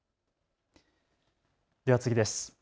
では次です。